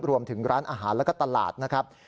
รวมถึงร้านอาหารแล้วก็ตลาดนะครับ